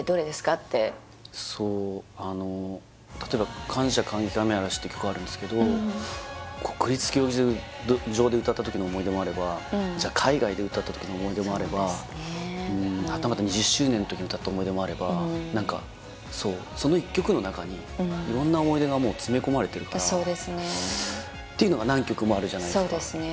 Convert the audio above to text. ってそうあの例えばって曲あるんですけど国立競技場で歌った時の思い出もあればじゃ海外で歌った時の思い出もあればはたまた２０周年の時に歌った思い出もあれば何かそうその１曲の中に色んな思い出がもう詰め込まれてるからっていうのが何曲もあるじゃないですか